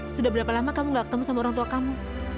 sudah berapa lama kamu gak ketemu sama orang tua kamu